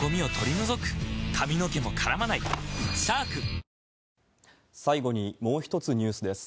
ＪＲ山手線は、最後に、もう一つニュースです。